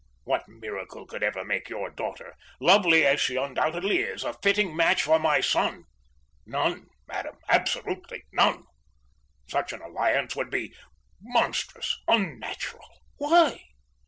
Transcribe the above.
What miracle could ever make your daughter, lovely as she undoubtedly is, a fitting match for my son! None, madam, absolutely none. Such an alliance would be monstrous; unnatural." "Why?"